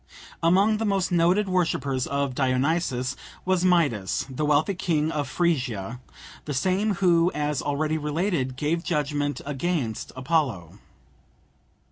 Among the most noted worshippers of Dionysus was Midas, the wealthy king of Phrygia, the same who, as already related, gave judgment against Apollo.